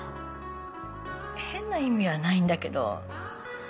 変な意味はないんだけど。